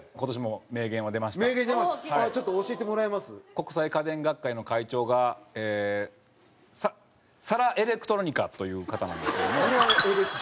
国際家電学会の会長がサラ・エレクトロニカという方なんですけども。